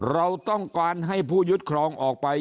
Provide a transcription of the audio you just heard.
เราต้องการให้ผู้ยึดครองออกไป